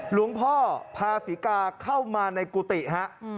หลวงพ่อพาศรีกาเข้ามาในกุฏิฮะ